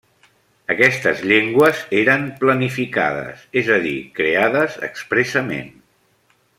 Aquestes llengües eren planificades, és a dir, creades expressament.